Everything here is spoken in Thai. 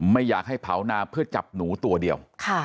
ไม่อยากให้เผานาเพื่อจับหนูตัวเดียว